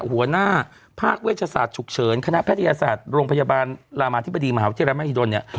หัวหน้าภาคเวชศาสตร์ฉุกเฉินคณะแพทยศาสตร์โรงพยาบาลรามาธิบดีมหาวิทยาลัยมหิดลเนี่ย